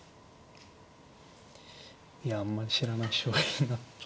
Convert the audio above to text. いやあんまり知らない将棋になって。